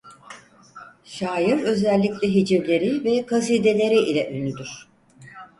Şair özellikle hicivleri ve kasideleri ile ünlüdür.